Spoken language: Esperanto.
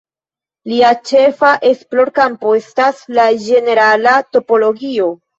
Lia ĉefa esplorkampo estas la ĝenerala topologio.